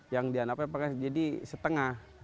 yang dianapkan pakai jadi setengah